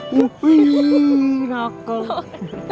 rambutnya lo gak pegang